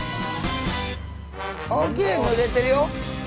あっきれいに塗れてるよ。